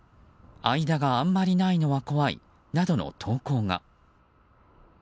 間があんまりないのは怖いなどの投稿が。